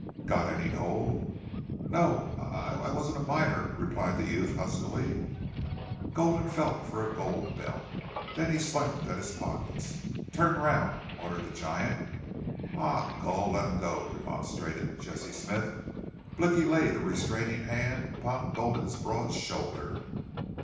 "Got any gold?" "No. I I wasn't a miner," replied the youth huskily. Gulden felt for a gold belt, then slapped at his pockets. "Turn round!" ordered the giant. "Aw, Gul let him go!" remonstrated Jesse Smith. Blicky laid a restraining hand upon Gulden's broad shoulder.